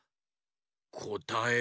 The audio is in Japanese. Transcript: こたえは。